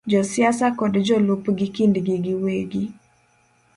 Josiasa kod jolupgi kindgi giwegi,